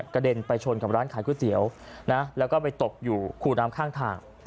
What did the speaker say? เด็นไปชนกับร้านขายก๋วยเตี๋ยวนะแล้วก็ไปตกอยู่คู่น้ำข้างทาง